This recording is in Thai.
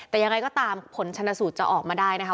แต่ยังไงก็ตามผลชนสูตรจะออกมาได้นะคะ